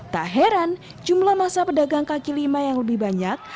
tak heran jumlah masa pedagang kaki lima yang lebih banyak